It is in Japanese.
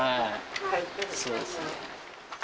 はいそうですね。